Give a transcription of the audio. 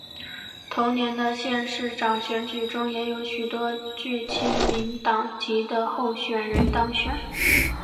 同年的县市长选举中也有多个具亲民党籍的候选人当选。